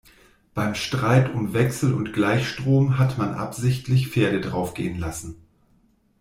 Beim Streit um Wechsel- und Gleichstrom hat man absichtlich Pferde draufgehen lassen.